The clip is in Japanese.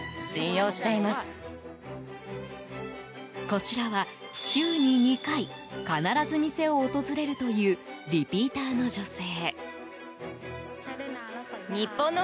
こちらは、週に２回必ず店を訪れるというリピーターの女性。